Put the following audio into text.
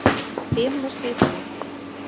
— темлыш Эду.